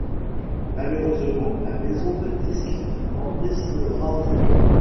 Malheureusement, la maison de disques en décidera autrement.